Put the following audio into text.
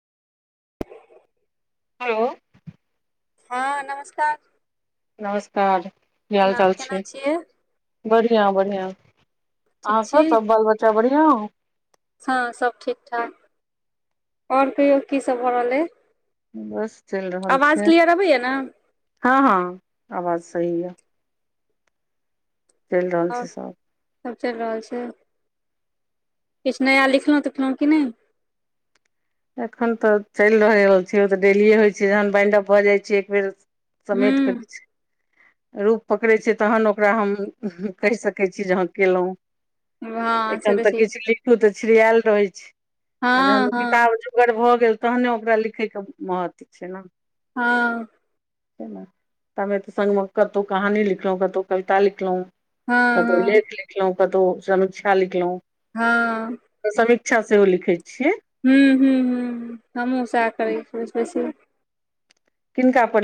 हलो। हां नमस्कार। नमस्कार की प्रणाम हाल-चाल केना छै? छियै बढ़ियाँ-बढ़ियाँ। ठीक अहाँ छी के सब बाल-बच्चा बढ़िया? हां सब ठीक-ठाक और कहियो की सब भऽ रहलै यै। बस चैल रह आवाज क्लियर अबै यै नै? हां-हां आवाज सही यै। चैल रहल और छै सब। सब चैल रहल छै। किछ नया लिखलौ-तिखलौ कि नै? एखन तऽ चैल रहल रहल छै ओ तऽ डेलीए होय छै जहन बाइंड अप भऽ जाइ छै एक बेेर समेट के हूँ किछ रूप पकड़ै छै तहन ओकरा हम उम्म कह सकै छीयै जे हां केलौ। हँ से एखन तऽ छै किछ लिखू तऽ छिड़यैल रहै छै आ हँ जहन ओ की हँ [unintelligible] गर भऽ गेल तहन नै ओकरा लिखै के महत्व छै नै। हां। तै नै तबै त संग मे कतो कहानी लिखलौ, कतौ कविता लिखलौ। कतो हँ हँ लेख लिखलो, कतो समीक्षा लिखलो। हां। तै समीक्षा सेहो लिखै छियै। हुं-हुं-हुं-हुं हम्हुं सैह करय छियै, ओय से बेसी किनका पर